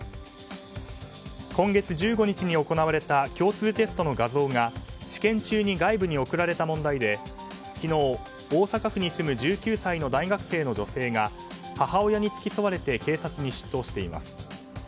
今月１５日に行われた共通テストの画像が試験中に外部に送られた問題で昨日、大阪府に住む１９歳の大学生の女性が母親に付き添われて警察に出頭しています。